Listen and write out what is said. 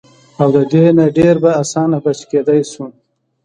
او د دې نه ډېر پۀ اسانه بچ کېدے شو -